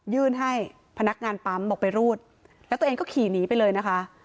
ยื่นให้พนักงานปั๊มบอกไปรูดแล้วตัวเองก็ขี่หนีไปเลยนะคะ